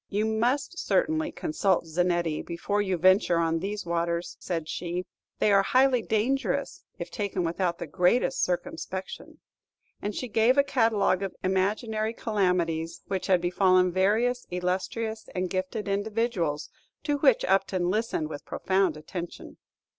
"You must certainly consult Zanetti before you venture on these waters," said she; "they are highly dangerous if taken without the greatest circumspection;" and she gave a catalogue of imaginary calamities which had befallen various illustrious and gifted individuals, to which Upton listened with profound attention.